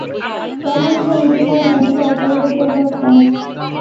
তখন জমিটির মালিকানা সরকারের ওপর বর্তায়।